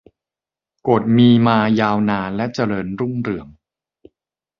กฎมีมายาวนานและเจริญรุ่งเรือง